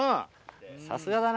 さすがだな。